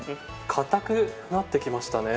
硬くなってきましたね。